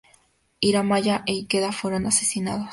Hirayama e Ikeda fueron asesinados.